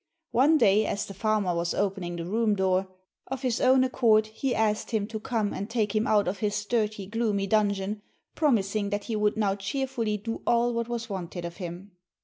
One day, as the farmer was opening the room door, of his own accord he asked him to come and take him out of his dirty, gloomy dungeon, promising that he would now cheerfully do all that was wanted of him.